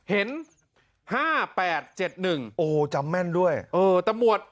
เห็นห้าแปดเจ็ดหนึ่งโอ้จำแม่นด้วยเออแต่หมวด